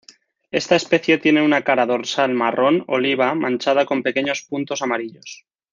Esta especie tiene una cara dorsal marrón oliva manchada con pequeños puntos amarillos.